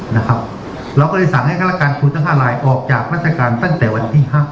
นะครับเราก็จะสั่งให้ฆาตการภูเจ้าฮารายออกจากราชการตั้งแต่วันที่ห้า